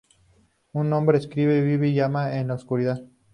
Un hombre escribe, vive y ama en la oscuridad.